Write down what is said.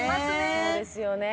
そうですよね